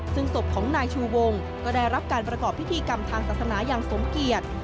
ซึ่งศพของนายชูวงก็ได้รับการประกอบพิธีกรรมทางศาสนาอย่างสมเกียจ